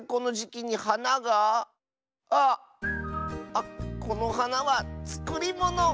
あっこのはなはつくりもの！